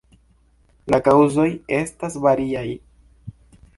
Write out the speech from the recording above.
La kaŭzoj estas variaj.